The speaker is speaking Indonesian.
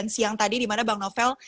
siang tadi dimana bang novel